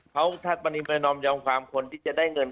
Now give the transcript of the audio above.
เขาถ้าปรณีประนอมยอมความคนที่จะได้เงิน